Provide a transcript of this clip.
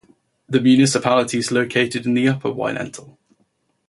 The municipality is located in the upper Wynental.